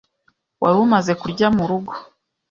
Wari umaze kurya murugo?